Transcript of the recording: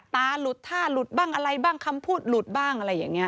ตาหลุดท่าหลุดบ้างอะไรบ้างคำพูดหลุดบ้างอะไรอย่างนี้